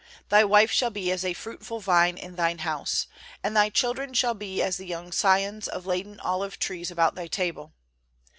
Thy wife shall be as a fruitful vine in thine house, and thy children shall be as the young scions of laden olive trees about thy table.